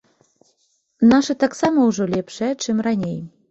Нашы таксама ўжо лепшыя, чым раней.